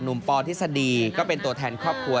หนุ่มปธิสดีก็เป็นตัวแทนครอบครัว